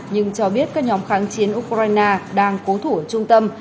nhưng cho biết các nhóm kháng chiến ukraine đang cố thủ ở trung tâm